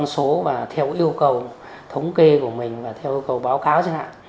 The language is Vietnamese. số và theo yêu cầu thống kê của mình và theo yêu cầu báo cáo chẳng hạn